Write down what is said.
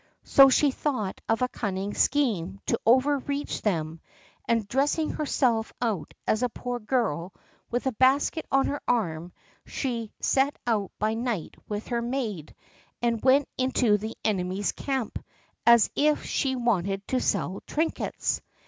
So she thought of a cunning scheme to over reach them; and dressing herself out as a poor girl, with a basket on her arm, she set out by night with her maid, and went into the enemy's camp, as if she wanted to sell trinkets.